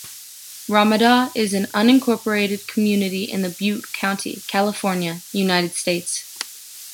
Ramada is an unincorporated community in Butte County, California, United States.